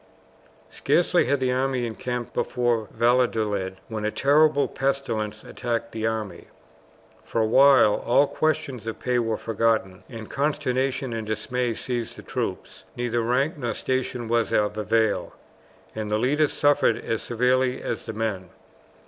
Scarcely had the army encamped before Valladolid when a terrible pestilence attacked the army. For a while all questions of pay were forgotten, and consternation and dismay seized the troops. Neither rank nor station was of avail, and the leaders suffered as severely as the men.